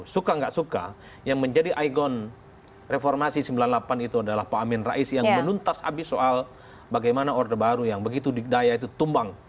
suka nggak suka yang menjadi ikon reformasi sembilan puluh delapan itu adalah pak amin rais yang menuntas habis soal bagaimana orde baru yang begitu didaya itu tumbang